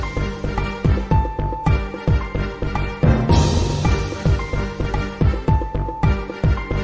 ติดตามต่อไป